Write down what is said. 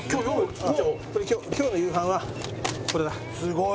今日の夕飯はこれだ。